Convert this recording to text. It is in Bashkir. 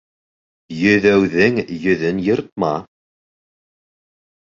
Йөҙәүҙең йөҙөн йыртма.